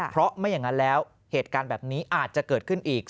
เพราะไม่อย่างนั้นแล้วเหตุการณ์แบบนี้อาจจะเกิดขึ้นอีก